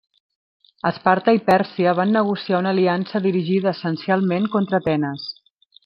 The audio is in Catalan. Esparta i Pèrsia van negociar una aliança dirigida essencialment contra Atenes.